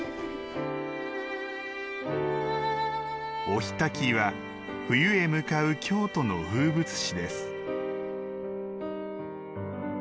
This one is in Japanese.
お火焚きは、冬へ向かう京都の風物詩です。